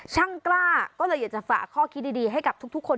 ช่างกล้าก็เลยอยากจะฝากข้อคิดดีให้กับทุกคน